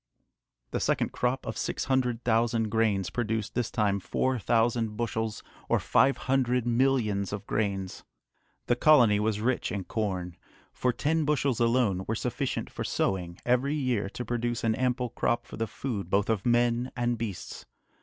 The second crop of six hundred thousand grains produced this time four thousand bushels, or five hundred millions of grains! The colony was rich in corn, for ten bushels alone were sufficient for sowing every year to produce an ample crop for the food both of men and beasts.